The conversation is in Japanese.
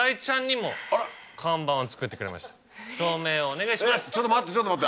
照明お願いします。